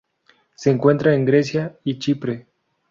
Se encuentra en Grecia y Chipre.